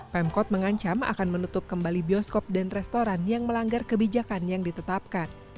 pemkot mengancam akan menutup kembali bioskop dan restoran yang melanggar kebijakan yang ditetapkan